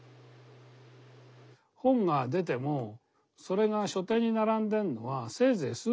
本が出てもそれが書店に並んでんのはせいぜい数か月ね。